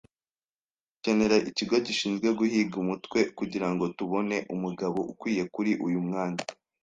Tuzakenera ikigo gishinzwe guhiga umutwe kugirango tubone umugabo ukwiye kuri uyu mwanya